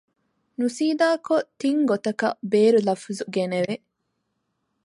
ނުސީދާކޮށް ތިން ގޮތަކަށް ބޭރު ލަފުޒު ގެނެވެ